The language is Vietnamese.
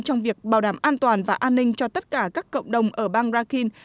trong việc bảo đảm an toàn và an ninh cho tất cả các cộng đồng ở bang rakhin